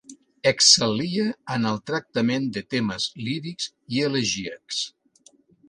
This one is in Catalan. Excel·lia en el tractament de temes lírics i elegíacs.